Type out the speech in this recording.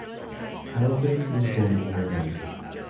Hellwig was born in Berlin.